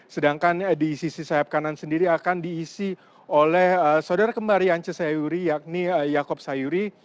sedangkan di sisi sahab kanan sendiri akan diisi oleh saudara kembar yance sayuri yakni jakob sayuri